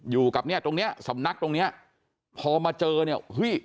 อยู่กับเนี่ยตรงเนี้ยสำนักตรงเนี้ยพอมาเจอเนี่ยเฮ้ย